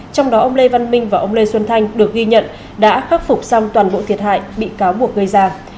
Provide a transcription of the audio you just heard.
trong đó ông lê văn minh và ông lê xuân thanh được ghi nhận đã khắc phục xong toàn bộ thiệt hại bị cáo buộc gây ra